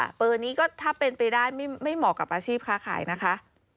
เบอร์นี้ก็ถ้าเป็นไปได้ไม่เหมาะกับอาชีพค้าขายนะคะ